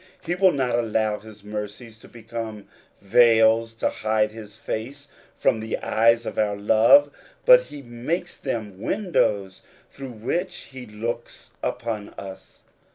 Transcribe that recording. He will not allow his mercies to become veils to hide his face from the eyes of our love; but he makes them windows through which he looks upon us.